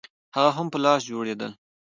هغه هم په لاس جوړېدل